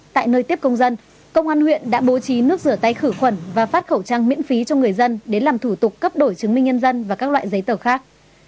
tại nơi tiếp công dân công an huyện đã bố trí nước rửa tay khử khuẩn và phát khẩu trang miễn phí cho người dân đến làm thủ tục cấp đổi chứng minh nhân dân và các loại giấy tờ khác